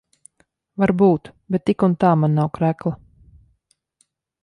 Varbūt. Bet tik un tā man nav krekla.